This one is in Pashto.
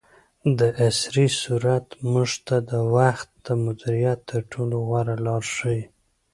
دعصري سورت موږ ته د وخت د مدیریت تر ټولو غوره لار ښیي.